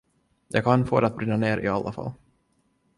Jag kan få det att brinna ner i alla fall.